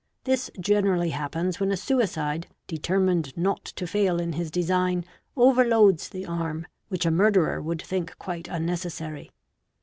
This generally happens when a suicide, determined not ; to fail in his design, overloads the arm, which a murderer would think a juite unnecessary.